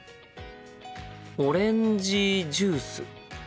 オレンジジュース。